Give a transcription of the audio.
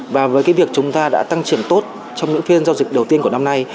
và với cái việc chúng ta đã tăng trưởng tốt trong những phiên giao dịch đầu tiên của năm nay